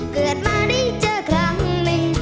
เกิดมาได้เจอครั้งหนึ่ง